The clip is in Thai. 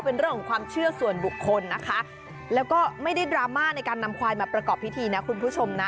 เป็นเรื่องของความเชื่อส่วนบุคคลนะคะแล้วก็ไม่ได้ดราม่าในการนำควายมาประกอบพิธีนะคุณผู้ชมนะ